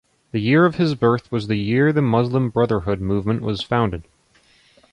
The year of his birth was the year the Muslim Brotherhood Movement was founded.